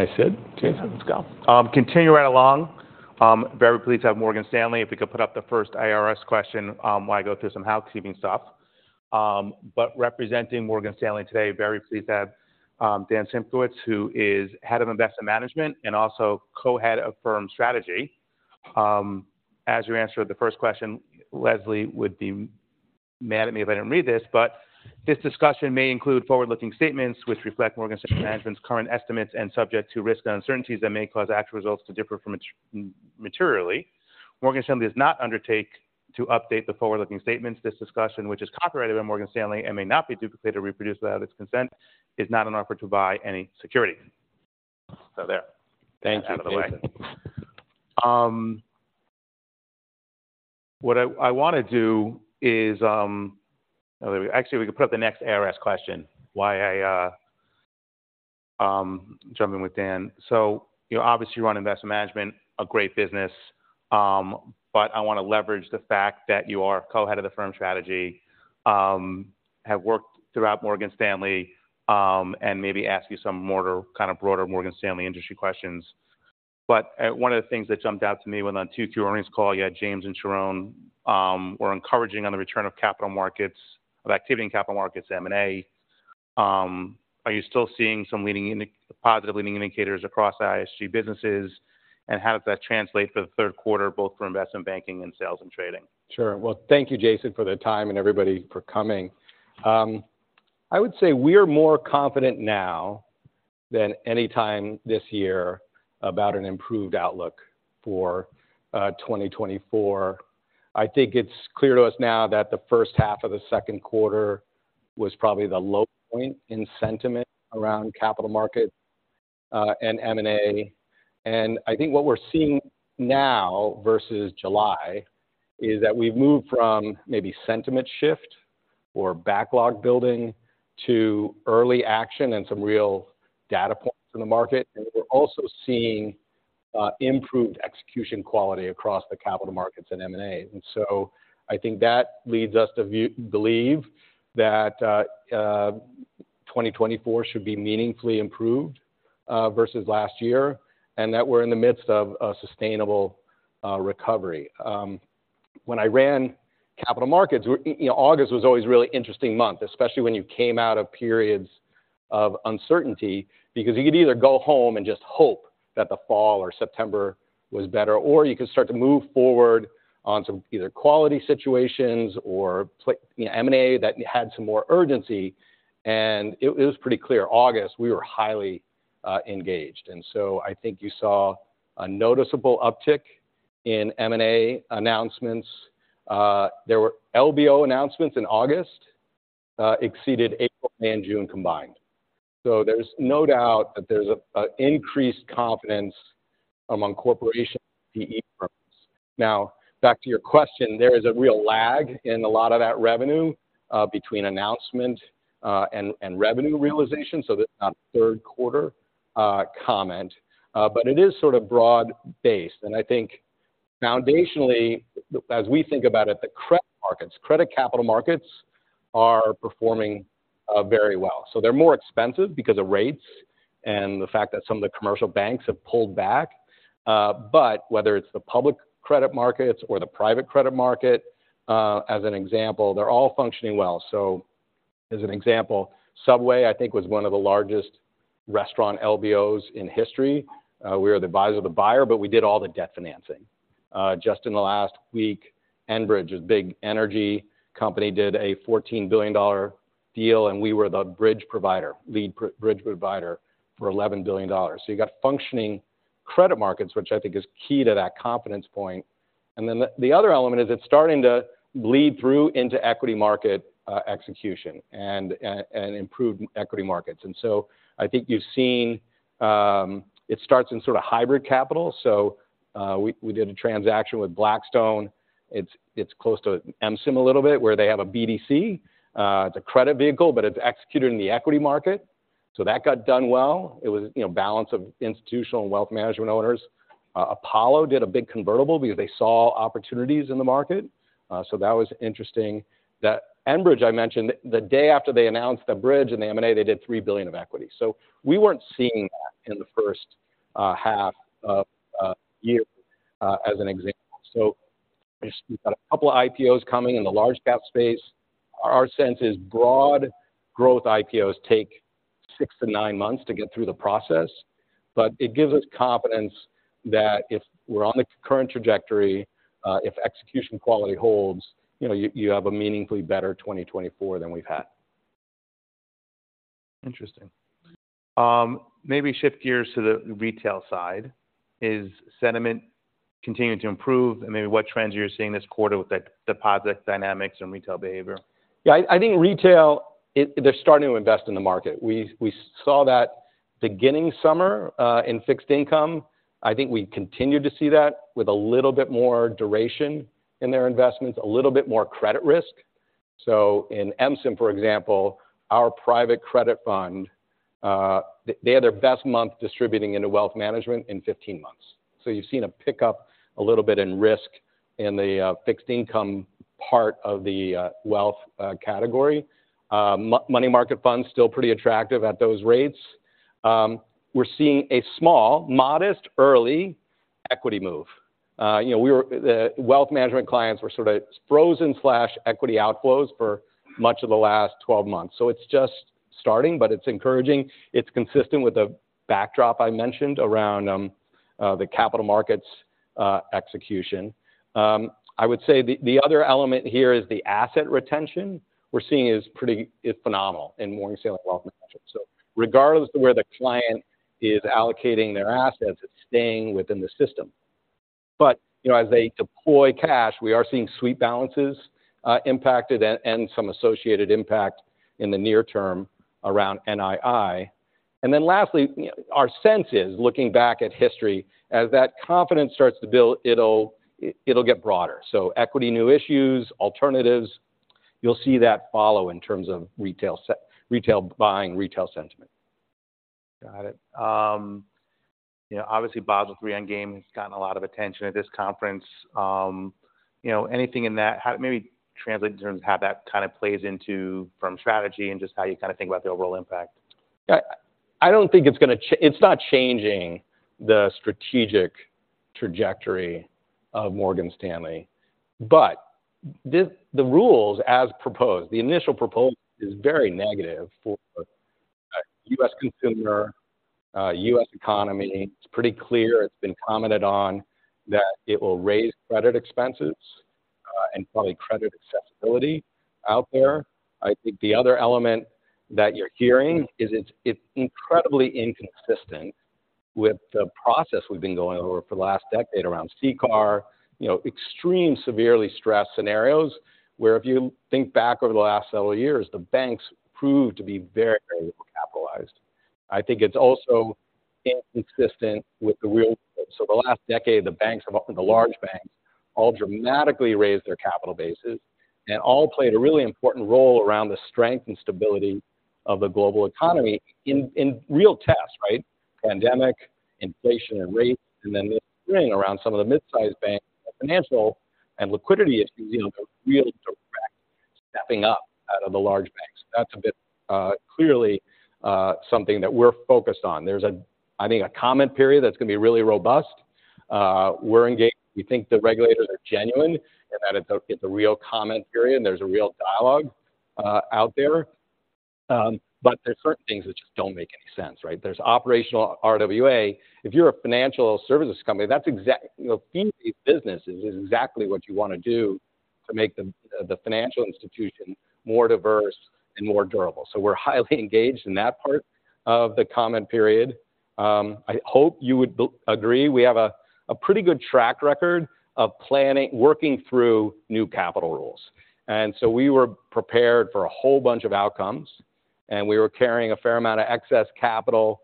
I said, Jason, let's go. Continue right along. Very pleased to have Morgan Stanley. If we could put up the first ISG question, while I go through some housekeeping stuff. But representing Morgan Stanley today, very pleased to have Dan Simkowitz, who is Head of Investment Management and also Co-Head of Corporate Strategy. As we answer the first question, Leslie would be mad at me if I didn't read this, but this discussion may include forward-looking statements which reflect Morgan Stanley management's current estimates and subject to risks and uncertainties that may cause actual results to differ from it materially. Morgan Stanley does not undertake to update the forward-looking statements. This discussion, which is copyrighted by Morgan Stanley and may not be duplicated or reproduced without its consent, is not an offer to buy any security. So there. Thank you. Out of the way. What I want to do is, actually, we can put up the next IRS question while I jump in with Dan. So you obviously run investment management, a great business. But I want to leverage the fact that you are Co-Head of the Firm Strategy, have worked throughout Morgan Stanley, and maybe ask you some more kind of broader Morgan Stanley industry questions. But, one of the things that jumped out to me when on Q2 earnings call, you had James and Sharon, were encouraging on the return of capital markets, of activity in capital markets, M&A. Are you still seeing some positive leading indicators across ISG businesses? And how does that translate for the Q3, both for investment banking and sales and trading? Sure. Well, thank you, Jason, for the time and everybody for coming. I would say we are more confident now than any time this year about an improved outlook for 2024. I think it's clear to us now that the H1 of the Q2 was probably the low point in sentiment around capital markets and M&A. And I think what we're seeing now versus July is that we've moved from maybe sentiment shift or backlog building to early action and some real data points in the market. And we're also seeing improved execution quality across the capital markets and M&A. And so I think that leads us to believe that 2024 should be meaningfully improved versus last year, and that we're in the midst of a sustainable recovery. When I ran capital markets, you know, August was always a really interesting month, especially when you came out of periods of uncertainty, because you could either go home and just hope that the fall or September was better, or you could start to move forward on some either quality situations or you know, M&A that had some more urgency. And it was pretty clear, August, we were highly engaged. And so I think you saw a noticeable uptick in M&A announcements. There were LBO announcements in August exceeded April and June combined. So there's no doubt that there's an increased confidence among corporations, PE firms. Now, back to your question, there is a real lag in a lot of that revenue between announcement and revenue realization, so that's a Q3 comment. But it is sort of broad-based. And I think foundationally, as we think about it, the credit markets, credit capital markets are performing very well. So they're more expensive because of rates and the fact that some of the commercial banks have pulled back. But whether it's the public credit markets or the private credit market, as an example, they're all functioning well. So as an example, Subway, I think, was one of the largest restaurant LBOs in history. We were the advisor to the buyer, but we did all the debt financing. Just in the last week, Enbridge, a big energy company, did a $14 billion deal, and we were the bridge provider, lead bridge provider for $11 billion. So you got functioning credit markets, which I think is key to that confidence point. Then the other element is it's starting to bleed through into equity market execution and improved equity markets. So I think you've seen. It starts in sort of hybrid capital. So we did a transaction with Blackstone. It's close to MSIM a little bit, where they have a BDC. It's a credit vehicle, but it's executed in the equity market. So that got done well. It was, you know, balance of institutional and wealth management owners. Apollo did a big convertible because they saw opportunities in the market, so that was interesting. That Enbridge I mentioned, the day after they announced the bridge and the M&A, they did $3 billion of equity. So we weren't seeing that in the H1 of year as an example. So we've got a couple of IPOs coming in the large cap space. Our sense is broad growth IPOs take six to nine months to get through the process, but it gives us confidence that if we're on the current trajectory, if execution quality holds, you know, you have a meaningfully better 2024 than we've had. Interesting. Maybe shift gears to the retail side. Is sentiment continuing to improve? And maybe what trends are you seeing this quarter with the deposit dynamics and retail behavior? Yeah, I think retail, they're starting to invest in the market. We saw that beginning summer in fixed income. I think we continued to see that with a little bit more duration in their investments, a little bit more credit risk. So in MSIM, for example, our private credit fund, they had their best month distributing into wealth management in 15 months. So you've seen a pickup a little bit in risk in the fixed income part of the wealth category. Money market funds still pretty attractive at those rates. We're seeing a small, modest, early equity move. You know, the wealth management clients were sort of frozen equity outflows for much of the last 12 months. So it's just starting, but it's encouraging. It's consistent with the backdrop I mentioned around the capital markets execution. I would say the other element here is the asset retention we're seeing is pretty it's phenomenal in Morgan Stanley Wealth Management. So regardless of where the client is allocating their assets, it's staying within the system. But, you know, as they deploy cash, we are seeing sweep balances impacted, and some associated impact in the near term around NII. And then lastly, you know, our sense is, looking back at history, as that confidence starts to build, it'll get broader. So equity, new issues, alternatives, you'll see that follow in terms of retail buying, retail sentiment. Got it. You know, obviously, Basel III Endgame has gotten a lot of attention at this conference. You know, anything in that? How, maybe translate in terms of how that kind of plays into from strategy and just how you kind of think about the overall impact. I don't think it's not changing the strategic trajectory of Morgan Stanley, but the rules as proposed, the initial proposal is very negative for U.S. consumer, U.S. economy. It's pretty clear, it's been commented on, that it will raise credit expenses and probably credit accessibility out there. I think the other element that you're hearing is it's incredibly inconsistent with the process we've been going over for the last decade around CCAR, you know, extreme, severely stressed scenarios, where if you think back over the last several years, the banks proved to be very well capitalized. I think it's also inconsistent with the real world. So the last decade, the banks have, often the large banks, all dramatically raised their capital bases, and all played a really important role around the strength and stability of the global economy in, in real tests, right? Pandemic, inflation and rates, and then the screening around some of the mid-sized banks, the financial and liquidity issues, you know, the real direct stepping up out of the large banks. That's a bit, clearly, something that we're focused on. There's a, I think, a comment period that's going to be really robust. We're engaged. We think the regulators are genuine, and that it's a, it's a real comment period, and there's a real dialogue out there. But there are certain things which don't make any sense, right? There's operational RWA. If you're a financial services company, that's exactly—you know, fee business is exactly what you want to do to make the financial institution more diverse and more durable. So we're highly engaged in that part of the comment period. I hope you would agree, we have a pretty good track record of planning, working through new capital rules. And so we were prepared for a whole bunch of outcomes, and we were carrying a fair amount of excess capital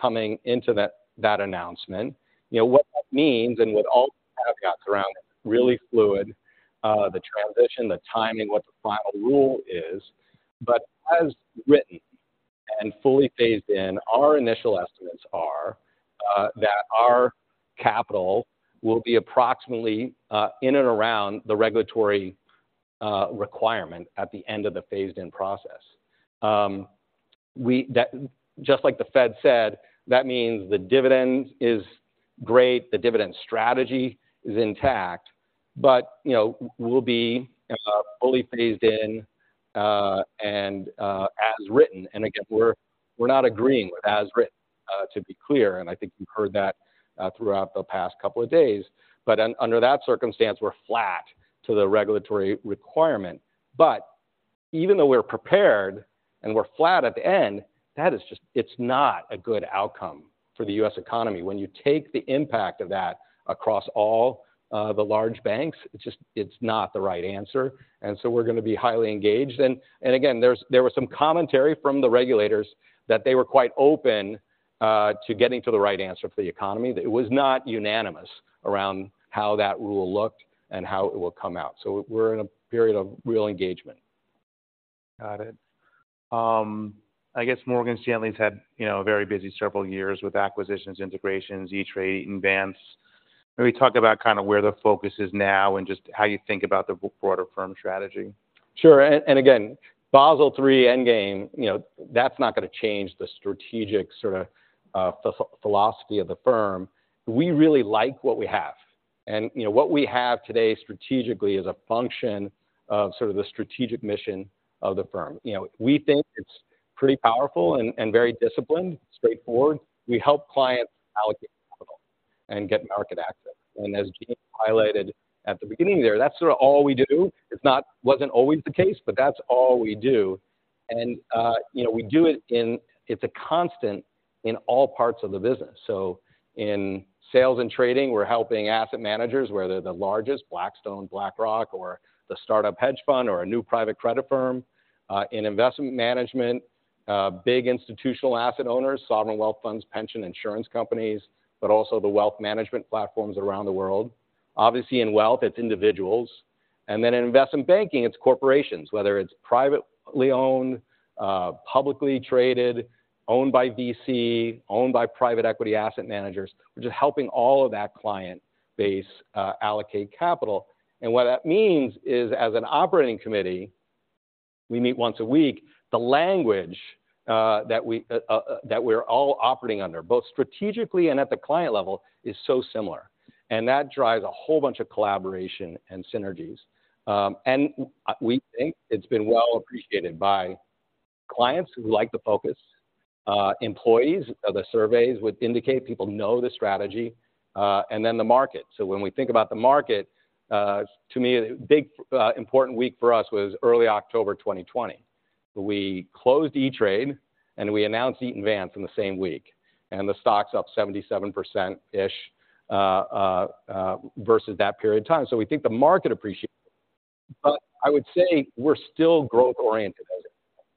coming into that announcement. You know, what that means, and with all the hand wringing around it, really fluid, the transition, the timing, what the final rule is. But as written and fully phased in, our initial estimates are that our capital will be approximately in and around the regulatory requirement at the end of the phased-in process. That, just like the Fed said, that means the dividend is great, the dividend strategy is intact, but, you know, we'll be fully phased in, and as written. And again, we're not agreeing with as written, to be clear, and I think you've heard that throughout the past couple of days. But under that circumstance, we're flat to the regulatory requirement. But even though we're prepared and we're flat at the end, that is just... it's not a good outcome for the U.S. economy. When you take the impact of that across all the large banks, it's just not the right answer, and so we're going to be highly engaged. And again, there was some commentary from the regulators that they were quite open to getting to the right answer for the economy. It was not unanimous around how that rule looked and how it will come out. So we're in a period of real engagement. Got it. I guess Morgan Stanley's had, you know, a very busy several years with acquisitions, integrations, E*TRADE, and Vance. Maybe talk about kind of where the focus is now and just how you think about the broader firm strategy. Sure. And again, Basel III Endgame, you know, that's not going to change the strategic sort of philosophy of the firm. We really like what we have. And, you know, what we have today strategically is a function of sort of the strategic mission of the firm. You know, we think it's pretty powerful and very disciplined, straightforward. We help clients allocate capital and get market access. And as James highlighted at the beginning there, that's sort of all we do. It wasn't always the case, but that's all we do. And, you know, we do it in... it's a constant in all parts of the business. So in sales and trading, we're helping asset managers, whether they're the largest, Blackstone, BlackRock, or the start-up hedge fund, or a new private credit firm. In investment management, big institutional asset owners, sovereign wealth funds, pension insurance companies, but also the wealth management platforms around the world. Obviously, in wealth, it's individuals. Then in investment banking, it's corporations, whether it's privately owned, publicly traded, owned by VC, owned by private equity asset managers. We're just helping all of that client base, allocate capital. And what that means is, as an operating committee, we meet once a week, the language that we're all operating under, both strategically and at the client level, is so similar. And that drives a whole bunch of collaboration and synergies. We think it's been well appreciated by clients who like the focus, employees, the surveys would indicate people know the strategy, and then the market. So when we think about the market, to me, a big important week for us was early October 2020. We closed E*TRADE, and we announced Eaton Vance in the same week, and the stock's up 77%ish versus that period of time. So we think the market appreciates. But I would say we're still growth-oriented.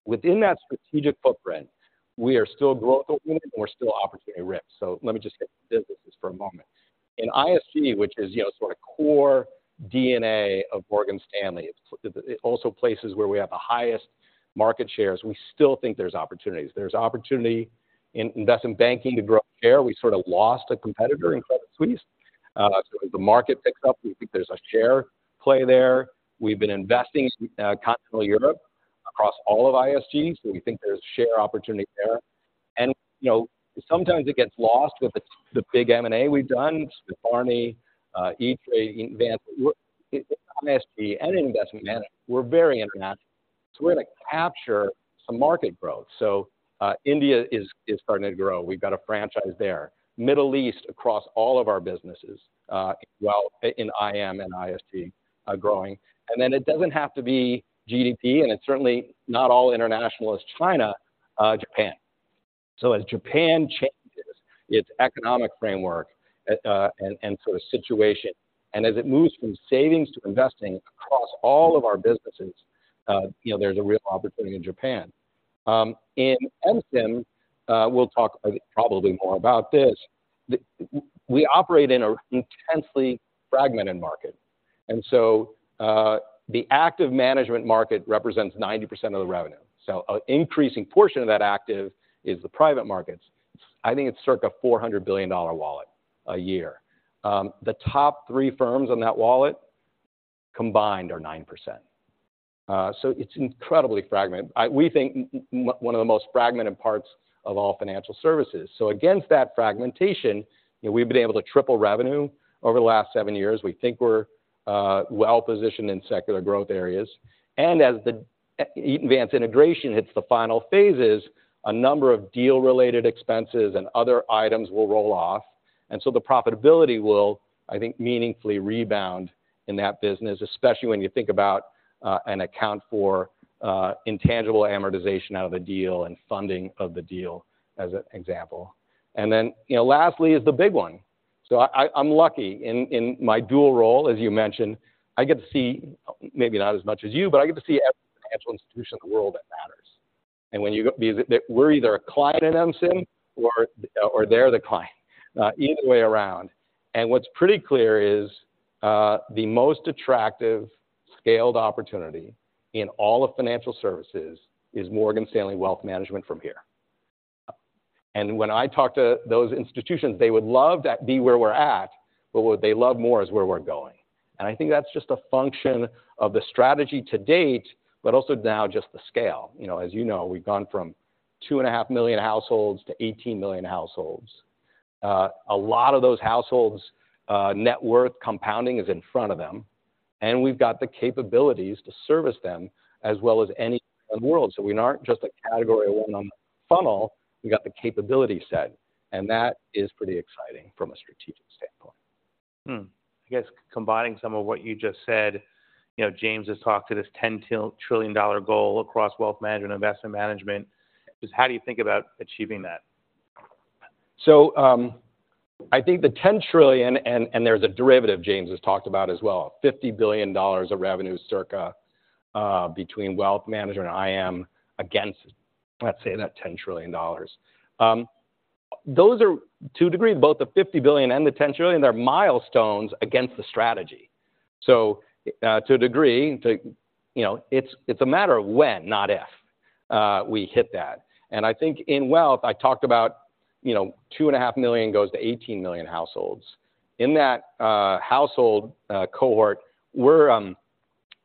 Within that strategic footprint, we are still growth-oriented, and we're still opportunity-rich. So let me just hit the businesses for a moment. In ISG, which is, you know, sort of core DNA of Morgan Stanley, it's also the places where we have the highest market shares, we still think there's opportunities. There's opportunity in investment banking to grow share. We sort of lost a competitor in Credit Suisse. So as the market picks up, we think there's a share play there. We've been investing, Continental Europe, across all of ISG, so we think there's share opportunity there. And, you know, sometimes it gets lost with the big M&A we've done, with Barney, E*TRADE, Eaton Vance. We're in ISG and investment management, we're very international, so we're going to capture some market growth. So, India is starting to grow. We've got a franchise there. Middle East, across all of our businesses, well, in IM and ISG, are growing. And then it doesn't have to be GDP, and it's certainly not all international, is China, Japan. So as Japan changes its economic framework, and sort of situation, and as it moves from savings to investing across all of our businesses, you know, there's a real opportunity in Japan. In MSIM, we'll talk probably more about this. We operate in an intensely fragmented market, and so, the active management market represents 90% of the revenue. An increasing portion of that active is the private markets. I think it's circa $400 billion wallet a year. The top three firms on that wallet, combined, are 9%. So it's incredibly fragmented. We think one of the most fragmented parts of all financial services. Against that fragmentation, you know, we've been able to triple revenue over the last seven years. We think we're well-positioned in secular growth areas, and as the Eaton Vance integration hits the final phases, a number of deal-related expenses and other items will roll off. And so the profitability will, I think, meaningfully rebound in that business, especially when you think about and account for intangible amortization out of the deal and funding of the deal, as an example. And then, you know, lastly is the big one. So I'm lucky in my dual role, as you mentioned, I get to see, maybe not as much as you, but I get to see every financial institution in the world that matters. And when you go, the... We're either a client in MSIM or they're the client, either way around. And what's pretty clear is the most attractive, scaled opportunity in all of financial services is Morgan Stanley Wealth Management from here. And when I talk to those institutions, they would love to be where we're at, but what they love more is where we're going. I think that's just a function of the strategy to date, but also now just the scale. You know, as you know, we've gone from 2.5 million households to 18 million households. A lot of those households, net worth compounding is in front of them, and we've got the capabilities to service them as well as any in the world. So we aren't just a category one on funnel, we got the capability set, and that is pretty exciting from a strategic standpoint. Hmm. I guess combining some of what you just said, you know, James has talked to this $10-trillion goal across wealth management and investment management. Just how do you think about achieving that? So, I think the $10 trillion, and, and there's a derivative James has talked about as well, $50 billion of revenue, circa, between wealth management and IM against, let's say, that $10 trillion. Those are, to a degree, both the $50 billion and the $10 trillion, are milestones against the strategy. So, to a degree, to, you know, it's, it's a matter of when, not if, we hit that. And I think in wealth, I talked about, you know, 2.5 million goes to 18 million households. In that household cohort, we're,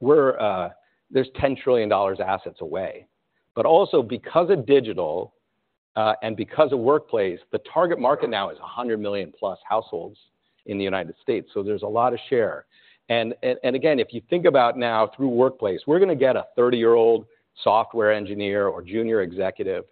we're... there's $10 trillion of assets away. But also because of digital and because of workplace, the target market now is 100 million plus households in the United States, so there's a lot of share. And again, if you think about now through workplace, we're going to get a 30-year-old software engineer or junior executive,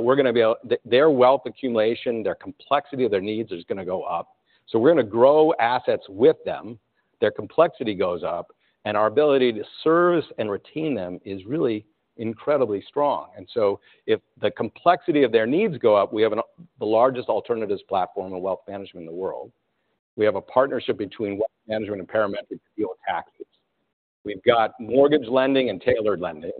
we're going to be able—their, their wealth accumulation, their complexity of their needs is going to go up. So we're going to grow assets with them. Their complexity goes up, and our ability to service and retain them is really incredibly strong. And so if the complexity of their needs go up, we have an—the largest alternatives platform of wealth management in the world. We have a partnership between wealth management and Parametric to deal with taxes. We've got mortgage lending and tailored lending.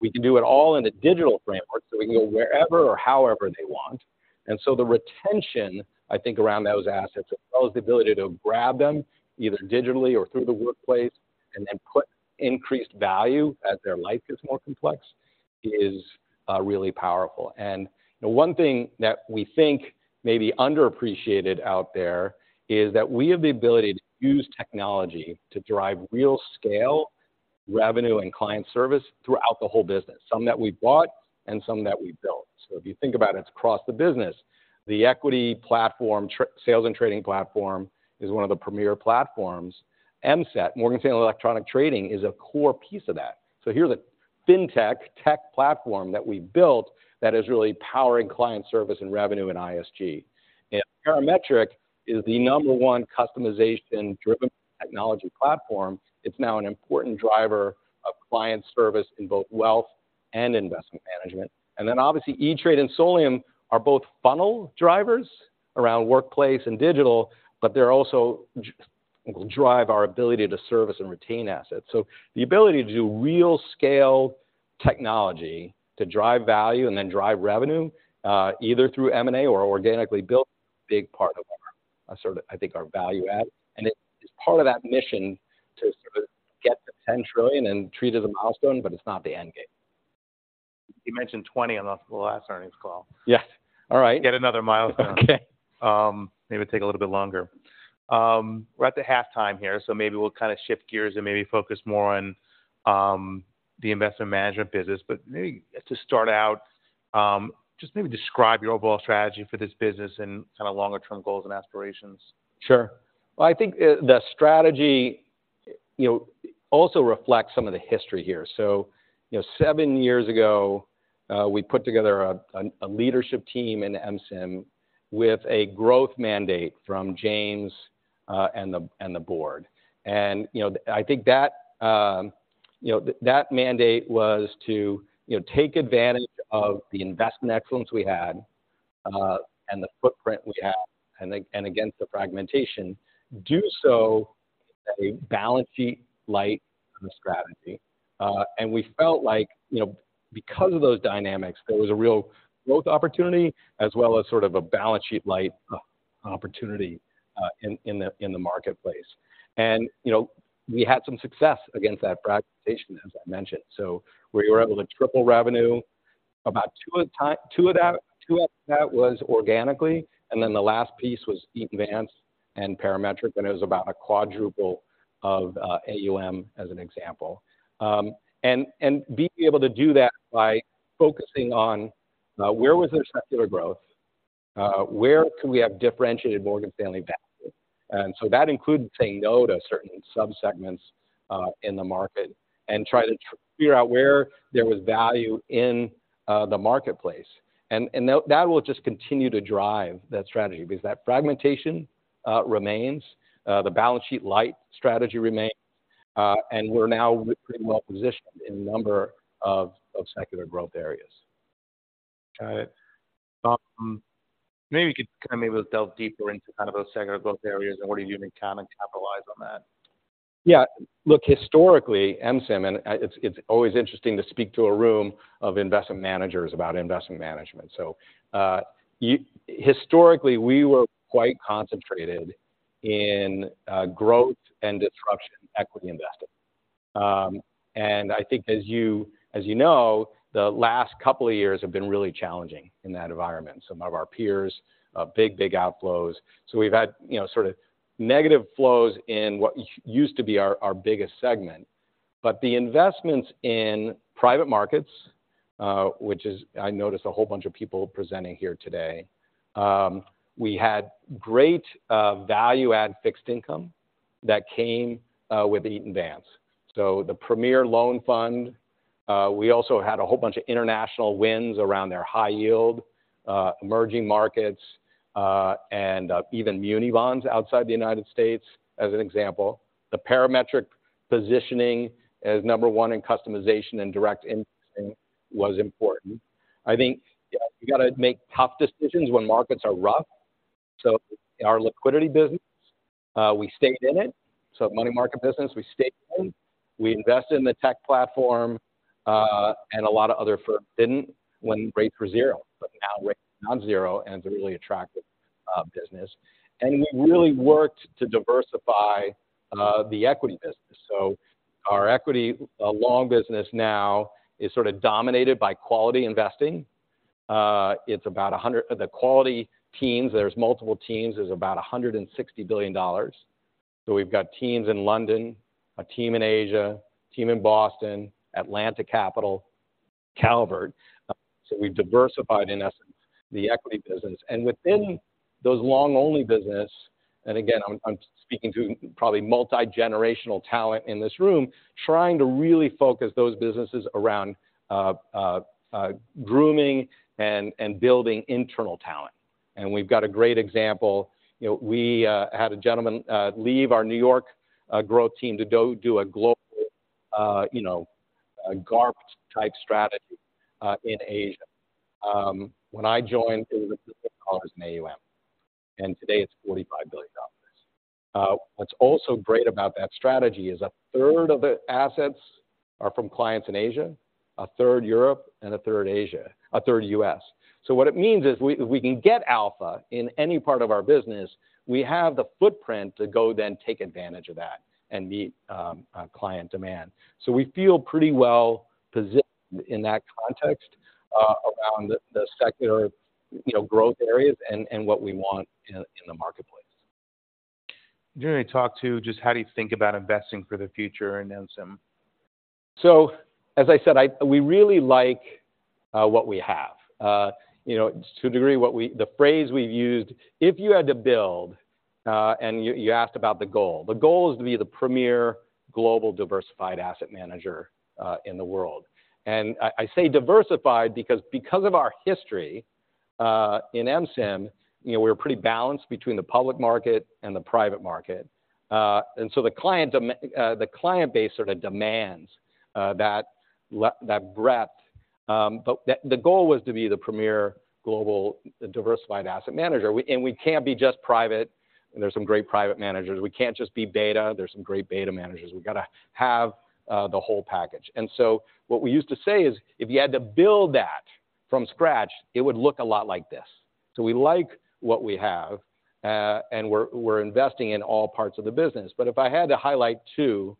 We can do it all in a digital framework, so we can go wherever or however they want. And so the retention, I think, around those assets, as well as the ability to grab them, either digitally or through the workplace, and then put increased value as their life gets more complex, is really powerful. And, you know, one thing that we think may be underappreciated out there, is that we have the ability to use technology to drive real scale, revenue, and client service throughout the whole business, some that we've bought and some that we've built. So if you think about it, it's across the business. The equity platform, sales and trading platform, is one of the premier platforms. MSET, Morgan Stanley Electronic Trading, is a core piece of that. So here's a fintech tech platform that we built that is really powering client service and revenue in ISG. And Parametric is the number one customization-driven technology platform. It's now an important driver of client service in both wealth and investment management. Then, obviously, E*TRADE and Solium are both funnel drivers around workplace and digital, but they're also drive our ability to service and retain assets. So the ability to do real scale technology to drive value and then drive revenue, either through M&A or organically built, big part of our, sort of, I think, our value add. And it is part of that mission to sort of get to $10 trillion and treat it as a milestone, but it's not the end game. You mentioned $20 trillion on the last earnings call. Yes. All right. Yet another milestone. Okay. May take a little bit longer. We're at the halftime here, so maybe we'll kind of shift gears and maybe focus more on the investment management business. But maybe to start out, just maybe describe your overall strategy for this business and kind of longer-term goals and aspirations. Sure. Well, I think the strategy, you know, also reflects some of the history here. So, you know, seven years ago, we put together a leadership team in MSIM, with a growth mandate from James, and the board. And, you know, I think that, you know, that mandate was to, you know, take advantage of the investment excellence we had, and the footprint we had, and against the fragmentation, do so in a balance sheet light kind of strategy. And we felt like, you know, because of those dynamics, there was a real growth opportunity, as well as sort of a balance sheet light opportunity, in the marketplace. And, you know, we had some success against that fragmentation, as I mentioned. So we were able to triple revenue. About 2/3 of that was organically, and then the last piece was Eaton Vance and Parametric, and it was about a quadrupling of AUM, as an example. And being able to do that by focusing on where there was secular growth? Where could we have differentiated our brand? And so that included saying no to certain subsegments in the market, and try to figure out where there was value in the marketplace. And that will just continue to drive that strategy, because that fragmentation remains, the balance sheet light strategy remains, and we're now pretty well positioned in a number of secular growth areas. Got it. Maybe you could kind of maybe delve deeper into kind of those secular growth areas and what you do to kind of capitalize on that. Yeah. Look, historically, MSIM, and it's always interesting to speak to a room of investment managers about investment management. So, historically, we were quite concentrated in growth and disruption equity investing. And I think as you know, the last couple of years have been really challenging in that environment. Some of our peers, big, big outflows. So we've had, you know, sort of negative flows in what used to be our biggest segment. But the investments in private markets, which is... I noticed a whole bunch of people presenting here today, we had great value add fixed income that came with Eaton Vance. So the premier loan fund, we also had a whole bunch of international wins around their high yield, emerging markets, and even muni bonds outside the United States, as an example. The Parametric positioning as number one in customization and direct indexing was important. I think, yeah, you got to make tough decisions when markets are rough. So in our liquidity business, we stayed in it. So money market business, we stayed in. We invested in the tech platform, and a lot of other firms didn't when rates were zero, but now rates are non-zero, and it's a really attractive business. And we really worked to diversify the equity business. So our equity long business now is sort of dominated by quality investing. It's about 100- the quality teams, there's multiple teams, there's about $160 billion. So we've got teams in London, a team in Asia, a team in Boston, Atlanta Capital, Calvert. So we've diversified, in essence, the equity business. And within those long-only business, and again, I'm speaking to probably multigenerational talent in this room, trying to really focus those businesses around grooming and building internal talent. And we've got a great example. You know, we had a gentleman leave our New York growth team to go do a global, you know, a GARP-type strategy in Asia. When I joined, it was in AUM, and today it's $45 billion. What's also great about that strategy is 1/3 of the assets are from clients in Asia, 1/3 Europe, and 1/3 U.S. So what it means is we can get alpha in any part of our business. We have the footprint to go then take advantage of that and meet client demand. So we feel pretty well positioned in that context, around the secular, you know, growth areas and what we want in the marketplace. Do you want to talk to just how do you think about investing for the future in MSIM? So, as I said, we really like what we have. You know, to a degree, the phrase we've used, if you had to build, and you asked about the goal. The goal is to be the premier global diversified asset manager in the world. And I say diversified because of our history in MSIM, you know, we're pretty balanced between the public market and the private market. And so the client base sort of demands that breadth. But the goal was to be the premier global diversified asset manager. And we can't be just private, and there are some great private managers. We can't just be beta, there are some great beta managers. We've got to have the whole package. So what we used to say is, if you had to build that from scratch, it would look a lot like this. We like what we have, and we're, we're investing in all parts of the business. But if I had to highlight two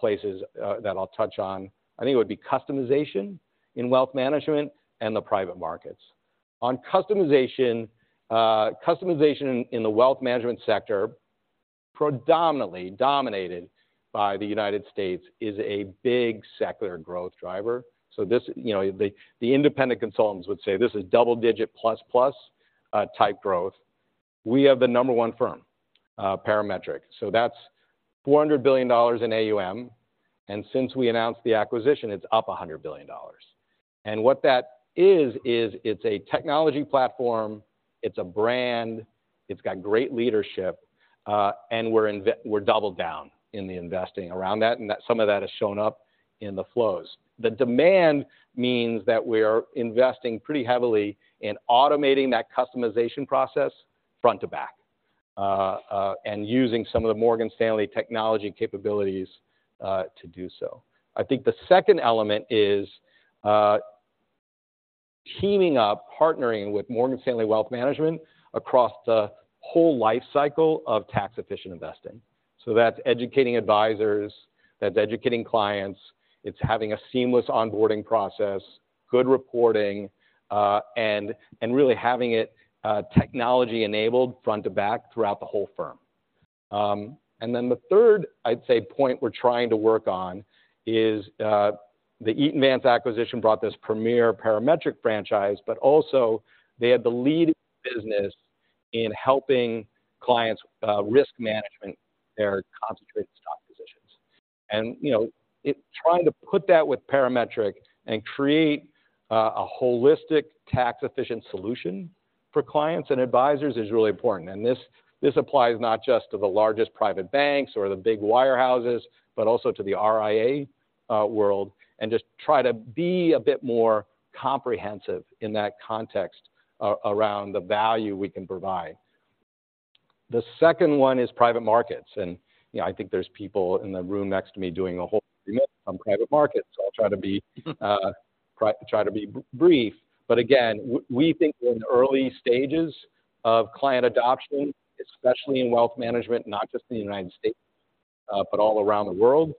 places that I'll touch on, I think it would be customization in wealth management and the private markets. On customization, customization in the wealth management sector, predominantly dominated by the United States, is a big secular growth driver. So this. You know, the independent consultants would say, this is double-digit plus, plus type growth. We have the number one firm, Parametric, so that's $400 billion in AUM, and since we announced the acquisition, it's up $100 billion. What that is, is it's a technology platform, it's a brand, it's got great leadership, and we're doubled down in the investing around that, and that some of that has shown up in the flows. The demand means that we're investing pretty heavily in automating that customization process front to back, and using some of the Morgan Stanley technology capabilities to do so. I think the second element is, teaming up, partnering with Morgan Stanley Wealth Management across the whole life cycle of tax-efficient investing. That's educating advisors, that's educating clients, it's having a seamless onboarding process, good reporting, and really having it technology-enabled front to back throughout the whole firm. And then the third, I'd say, point we're trying to work on is the Eaton Vance acquisition brought this premier Parametric franchise, but also they had the lead business in helping clients risk management their concentrated stock positions. And, you know, trying to put that with Parametric and create a holistic, tax-efficient solution for clients and advisors is really important. And this applies not just to the largest private banks or the big wirehouses, but also to the RIA world, and just try to be a bit more comprehensive in that context around the value we can provide. The second one is private markets, and, you know, I think there's people in the room next to me doing a whole private market, so I'll try to be brief. But again, we think we're in the early stages of client adoption, especially in wealth management, not just in the United States, but all around the world.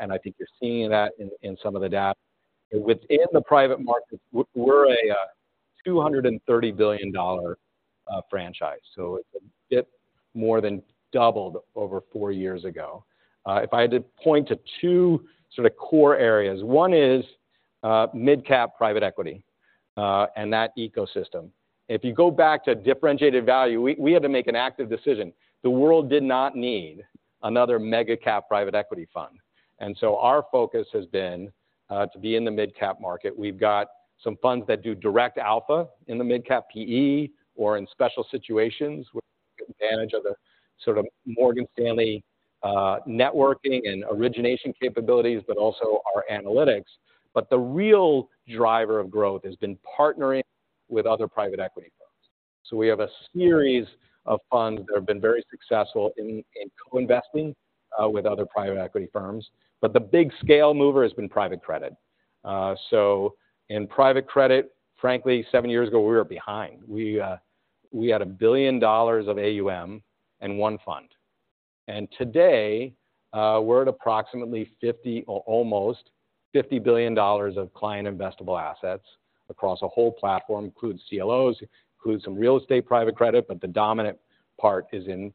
And I think you're seeing that in some of the data. Within the private markets, we're a $230 billion franchise, so it's a bit more than doubled over four years ago. If I had to point to two sort of core areas, one is midcap private equity and that ecosystem. If you go back to differentiated value, we had to make an active decision. The world did not need another mega-cap private equity fund, and so our focus has been to be in the midcap market. We've got some funds that do direct alpha in the midcap PE or in special situations where advantage of the sort of Morgan Stanley networking and origination capabilities, but also our analytics. But the real driver of growth has been partnering with other private equity firms. So we have a series of funds that have been very successful in co-investing with other private equity firms. But the big scale mover has been private credit. So in private credit, frankly, seven years ago, we were behind. We had $1 billion of AUM and one fund. And today, we're at approximately $50 billion or almost $50 billion of client investable assets across a whole platform, includes CLOs, includes some real estate private credit, but the dominant part is in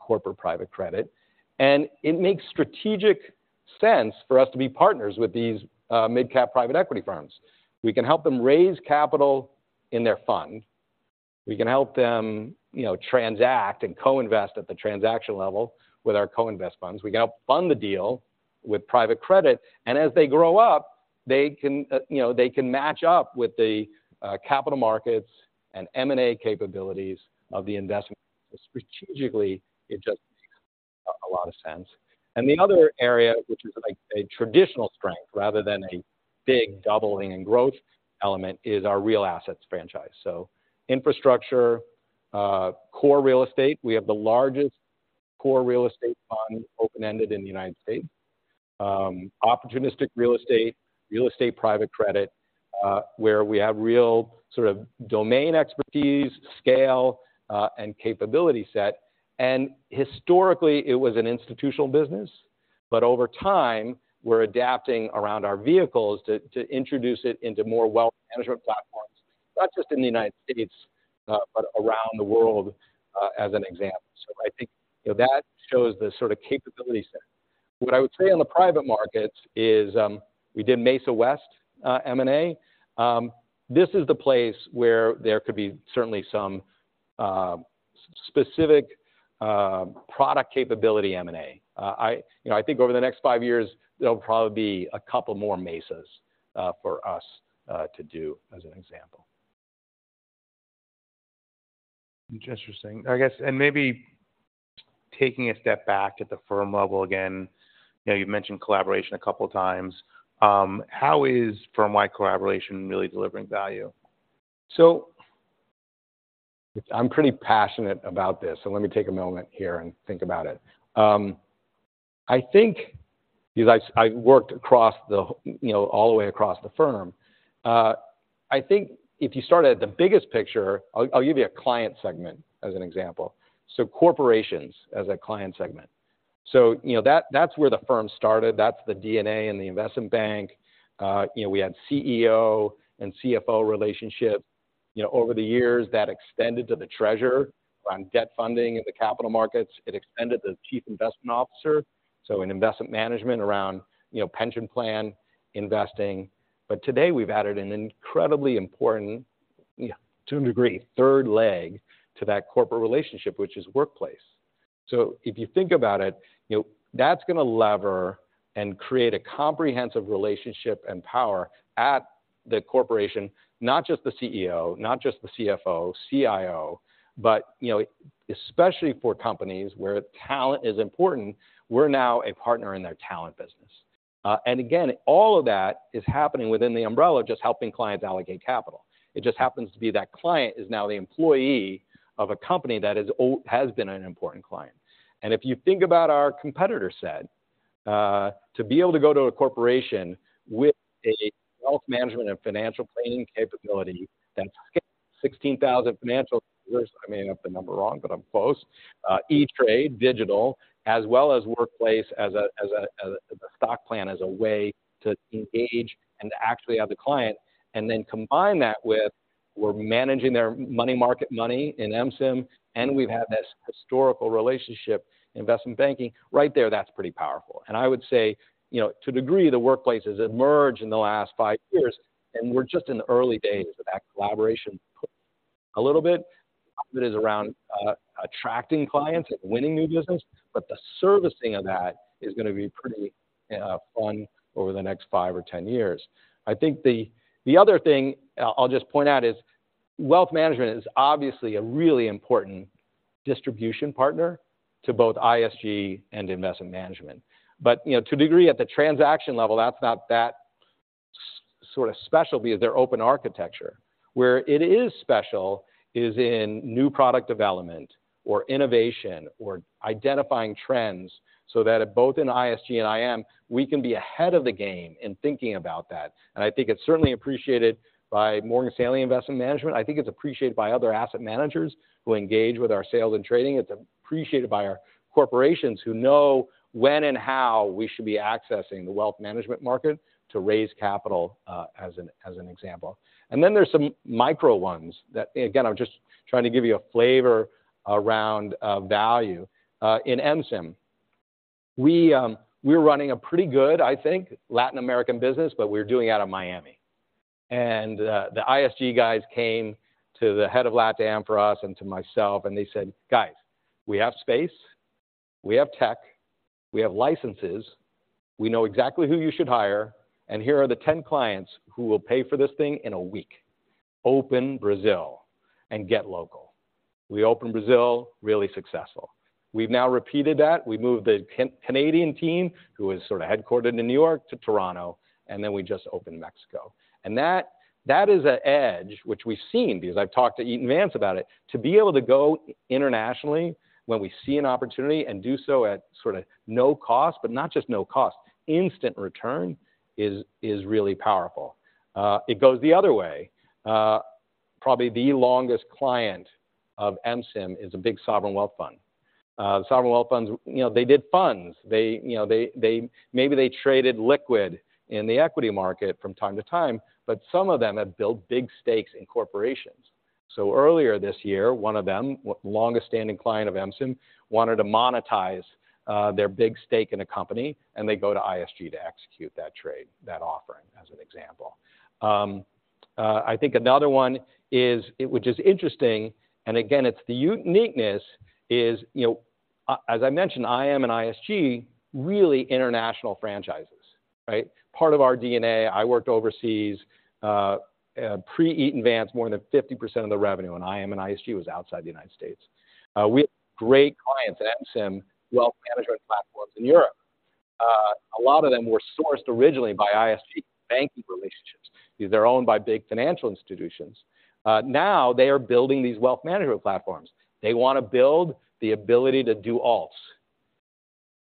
corporate private credit. It makes strategic sense for us to be partners with these mid-cap private equity firms. We can help them raise capital in their fund. We can help them, you know, transact and co-invest at the transaction level with our co-invest funds. We can help fund the deal with private credit, and as they grow up, they can, you know, they can match up with the capital markets and M&A capabilities of the investment. Strategically, it just makes a lot of sense. The other area, which is like a traditional strength rather than a big doubling in growth element, is our real assets franchise. So infrastructure, core real estate. We have the largest core real estate fund, open-ended in the United States. Opportunistic real estate, real estate private credit, where we have real sort of domain expertise, scale, and capability set. Historically, it was an institutional business, but over time, we're adapting around our vehicles to introduce it into more wealth management platforms, not just in the United States, but around the world, as an example. So I think, you know, that shows the sort of capability set. What I would say on the private markets is, we did Mesa West, M&A. This is the place where there could be certainly some specific product capability M&A. You know, I think over the next five years, there'll probably be a couple more Mesas, for us, to do as an example. Interesting. I guess, and maybe taking a step back at the firm level again, you know, you've mentioned collaboration a couple of times. How is firm-wide collaboration really delivering value? So I'm pretty passionate about this, so let me take a moment here and think about it. I think because I worked across the, you know, all the way across the firm, I think if you start at the biggest picture, I'll give you a client segment as an example. So corporations as a client segment. So, you know, that, that's where the firm started, that's the DNA and the investment bank. You know, we had CEO and CFO relationship. You know, over the years, that extended to the treasurer on debt funding in the capital markets. It extended to the chief investment officer, so in investment management, around, you know, pension plan investing. But today we've added an incredibly important, to a degree, third leg to that corporate relationship, which is workplace. So if you think about it, you know, that's going to lever and create a comprehensive relationship and power at the corporation, not just the CEO, not just the CFO, CIO, but, you know, especially for companies where talent is important, we're now a partner in their talent business. And again, all of that is happening within the umbrella of just helping clients allocate capital. It just happens to be that client is now the employee of a company that has been an important client. And if you think about our competitor set, to be able to go to a corporation with a wealth management and financial planning capability that's 16,000 financial... I may have the number wrong, but I'm close. E*TRADE, digital, as well as workplace, as a stock plan, as a way to engage and to actually have the client, and then combine that with, we're managing their money market money in MSIM, and we've had this historical relationship, investment banking, right there, that's pretty powerful. And I would say, you know, to a degree, the workplace has emerged in the last five years, and we're just in the early days of that collaboration. A little bit is around attracting clients and winning new business, but the servicing of that is going to be pretty fun over the next five or 10 years. I think the other thing I'll just point out is, wealth management is obviously a really important distribution partner to both ISG and investment management. But, you know, to a degree, at the transaction level, that's not that sort of special because they're open architecture. Where it is special is in new product development or innovation or identifying trends so that at both in ISG and IM, we can be ahead of the game in thinking about that. And I think it's certainly appreciated by Morgan Stanley Investment Management. I think it's appreciated by other asset managers who engage with our sales and trading. It's appreciated by our corporations who know when and how we should be accessing the wealth management market to raise capital, as an example. And then there's some micro ones that... Again, I'm just trying to give you a flavor around value. In MSIM, we're running a pretty good, I think, Latin American business, but we're doing it out of Miami. The ISG guys came to the head of LatAm for us and to myself, and they said, "Guys, we have space, we have tech, we have licenses, we know exactly who you should hire, and here are the 10 clients who will pay for this thing in a week. Open Brazil and get local." We opened Brazil, really successful. We've now repeated that. We moved the Canadian team, who was sort of headquartered in New York, to Toronto, and then we just opened Mexico. And that, that is an edge, which we've seen because I've talked to Eaton Vance about it. To be able to go internationally when we see an opportunity and do so at sort of no cost, but not just no cost, instant return, is really powerful. It goes the other way. Probably the longest client of MSIM is a big sovereign wealth fund. Sovereign wealth funds, you know, they did funds. They, you know, they maybe traded liquid in the equity market from time to time, but some of them have built big stakes in corporations. So earlier this year, one of them, longest-standing client of MSIM, wanted to monetize their big stake in a company, and they go to ISG to execute that trade, that offering, as an example. I think another one is, which is interesting, and again, it's the uniqueness is, you know, as I mentioned, IM and ISG, really international franchises. Right? Part of our DNA, I worked overseas, pre-Eaton Vance, more than 50% of the revenue, and IM and ISG was outside the United States. We have great clients at MSIM wealth management platforms in Europe. A lot of them were sourced originally by ISG banking relationships. They're owned by big financial institutions. Now they are building these wealth management platforms. They want to build the ability to do alts.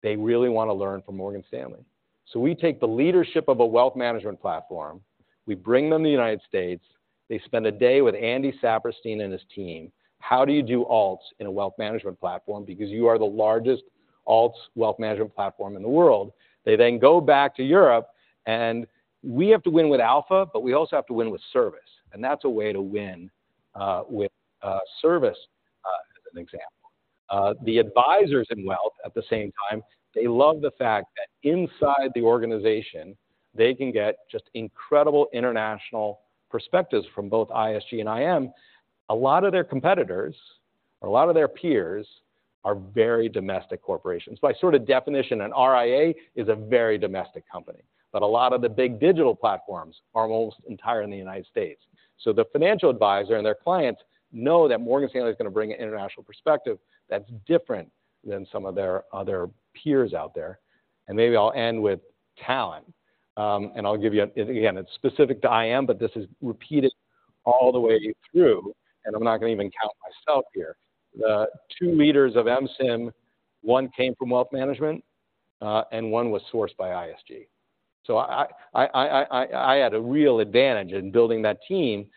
They really want to learn from Morgan Stanley. So we take the leadership of a wealth management platform, we bring them to the United States, they spend a day with Andy Saperstein and his team. How do you do alts in a wealth management platform? Because you are the largest alts wealth management platform in the world. They then go back to Europe, and we have to win with alpha, but we also have to win with service, and that's a way to win, with, service, as an example. The advisors in wealth, at the same time, they love the fact that inside the organization, they can get just incredible international perspectives from both ISG and IM. A lot of their competitors, or a lot of their peers, are very domestic corporations. By sort of definition, an RIA is a very domestic company, but a lot of the big digital platforms are almost entirely in the United States. So the financial advisor and their clients know that Morgan Stanley is going to bring an international perspective that's different than some of their other peers out there. And maybe I'll end with talent. And I'll give you... Again, it's specific to IM, but this is repeated all the way through, and I'm not going to even count myself here. The two leaders of MSIM, one came from wealth management, and one was sourced by ISG. So I had a real advantage in building that team,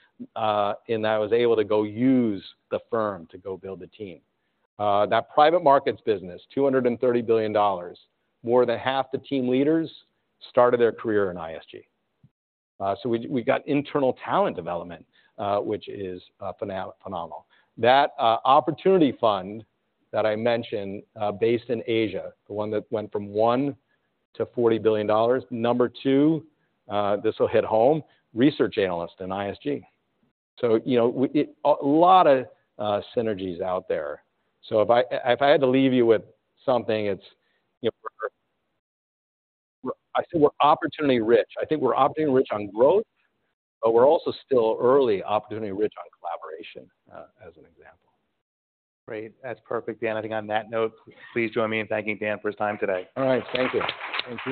in that I was able to go use the firm to go build a team. That private markets business, $230 billion, more than half the team leaders started their career in ISG. So we got internal talent development, which is phenomenal. That opportunity fund that I mentioned, based in Asia, the one that went from $1 billion to $40 billion, number two, this will hit home, research analyst in ISG. So, you know, we, a lot of synergies out there. So if I had to leave you with something, it's, you know, we're... I say we're opportunity rich. I think we're opportunity rich on growth, but we're also still early opportunity rich on collaboration, as an example. Great. That's perfect, Dan. I think on that note, please join me in thanking Dan for his time today. All right. Thank you. Thank you.